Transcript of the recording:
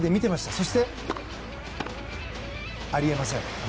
そして、あり得ません。